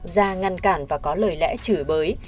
ra ngăn cản và có lời lẽ chửi bới